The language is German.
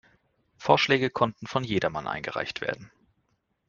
Vorschläge konnten von jedermann eingereicht werden.